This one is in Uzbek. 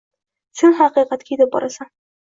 Sen haqiqatga yetib borasan…